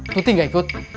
tuti gak ikut